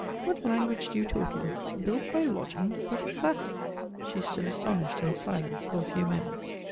What language do you talk in? Bilk my lodgings? What is that? She stood astonished and silent for a few moments.